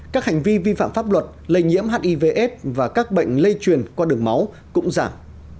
các hành vi vi phạm pháp luật lây nhiễm hivs và các bệnh lây truyền qua đường máu cũng giảm